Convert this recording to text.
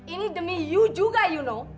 ini demi you juga you know